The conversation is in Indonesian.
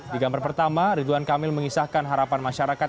di gambar pertama ridwan kamil mengisahkan harapan masyarakat